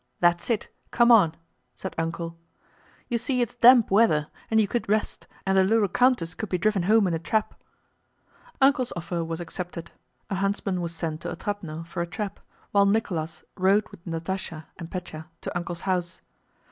That's it, come on!" said "Uncle." "You see it's damp weather, and you could rest, and the little countess could be driven home in a trap." "Uncle's" offer was accepted. A huntsman was sent to Otrádnoe for a trap, while Nicholas rode with Natásha and Pétya to "Uncle's" house.